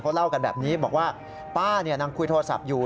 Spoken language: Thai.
เล่ากันแบบนี้บอกว่าป้านั่งคุยโทรศัพท์อยู่